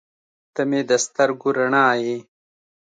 • ته مې د سترګو رڼا یې.